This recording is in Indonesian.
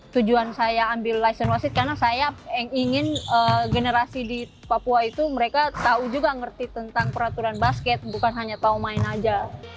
tujuan saya ambil lisen wasit karena saya yang ingin generasi di papua itu mereka tahu juga ngerti tentang peraturan basket bukan hanya tahu main aja